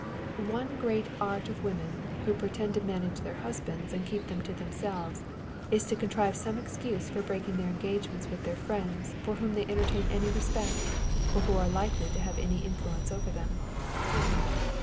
One great art of women, who pretend to manage their husbands and keep them to themselves, is to contrive some excuse for breaking their engagements with friends for whom they entertain any respect, or who are likely to have any influence over them.